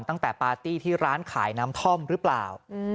ปาร์ตี้ที่ร้านขายน้ำท่อมหรือเปล่า